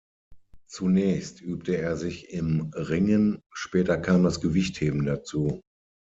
Zunächst übte er sich im Ringen, später kam das Gewichtheben dazu.